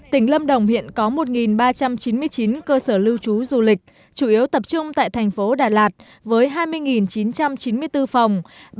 tỉnh lâm đồng hiện có một ba trăm chín mươi chín cơ sở lưu trú du lịch chủ yếu tập trung tại thành phố đà lạt với hai mươi chín trăm chín mươi bốn phòng